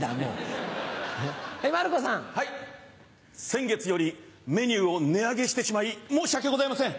先月よりメニューを値上げしてしまい申し訳ございません。